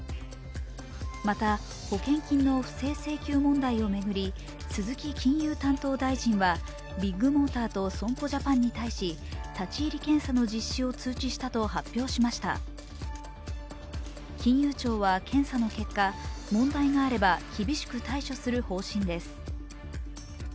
また保険金の不正請求問題を巡り鈴木金融担当大臣はビッグモーターと損保ジャパンに対し立ち入り検査の実施を通知したと発表しました金融庁は検査の結果、問題があれば厳しく対処する方針です。